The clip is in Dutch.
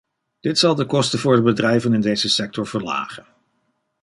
Dit zal de kosten voor de bedrijven in deze sector verlagen.